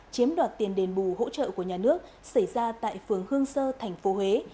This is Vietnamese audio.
chiếm đoạt tiền đền bù hỗ trợ của nhà nước xảy ra tại phường hương sơ thành phố huế